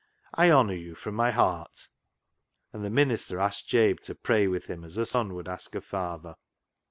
I honour you from my heart," And the minister asked Jabe to pray with him as a son would ask a father.